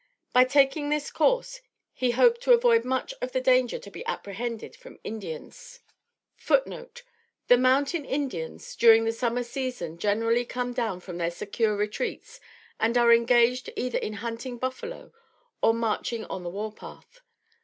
By taking this course he hoped to avoid much of the danger to be apprehended from Indians. [Footnote 5: The mountain Indians, during the Summer season generally come down from their secure retreats and are engaged either in hunting buffalo, or marching on the war path.